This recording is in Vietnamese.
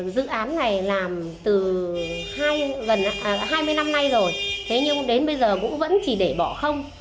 dự án này làm từ hai mươi năm nay rồi thế nhưng đến bây giờ cũng vẫn chỉ để bỏ không